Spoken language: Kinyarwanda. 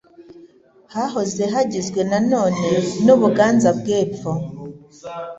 Hahoze hagizwe na none n'u Buganza bw'Epfo